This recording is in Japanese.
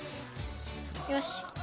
よし。